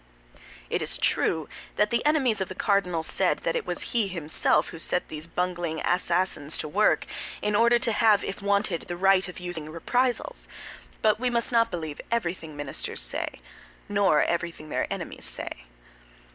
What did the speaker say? It is true that the enemies of the cardinal said that it was he himself who set these bungling assassins to work, in order to have, if wanted, the right of using reprisals; but we must not believe everything ministers say, nor everything their enemies say.